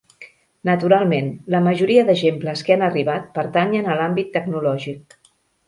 Naturalment, la majoria d'exemples que han arribat pertanyen a l'àmbit tecnològic.